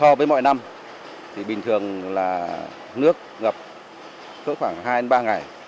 so với mọi năm bình thường là nước ngập khoảng hai ba ngày